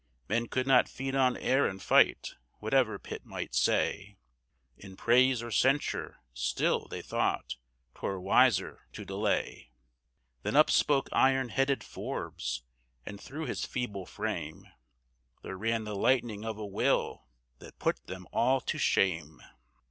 Men could not feed on air and fight; whatever Pitt might say; In praise or censure, still, they thought, 'twere wiser to delay. Then up spoke iron headed Forbes, and through his feeble frame There ran the lightning of a will that put them all to shame!